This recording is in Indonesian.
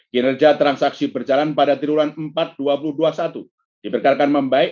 kinerja transaksi berjalan pada triwulan empat dua ribu dua puluh satu diperkirakan membaik